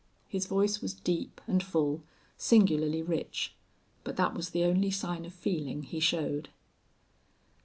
His voice was deep and full, singularly rich. But that was the only sign of feeling he showed.